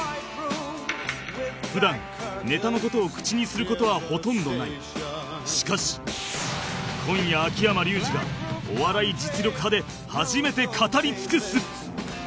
普段ネタの事を口にする事はほとんどないしかし今夜秋山竜次が『お笑い実力刃』で初めて語り尽くす